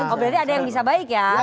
oh berarti ada yang bisa baik ya